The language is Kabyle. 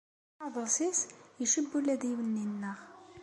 Aɛḍas-nnes icewwel adiwenni-nneɣ.